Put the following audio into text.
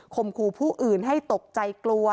มขู่ผู้อื่นให้ตกใจกลัว